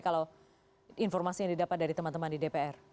kalau informasi yang didapat dari teman teman di dpr